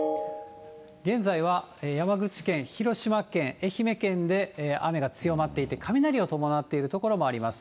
現在は山口県、広島県、愛媛県で雨が強まっていて、雷を伴っている所もあります。